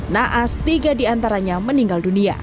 naas tiga di antaranya meninggal dunia